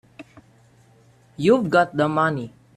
You've got the money.